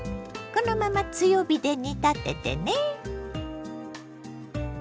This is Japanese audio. このまま強火で煮立ててね。